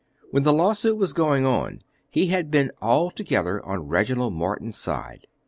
When the law suit was going on he had been altogether on Reginald Morton's side.